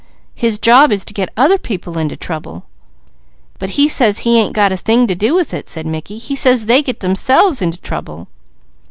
"His job is to get other people into trouble " "But he says he ain't got a thing to do with it," said Mickey. "He says they get themselves into trouble."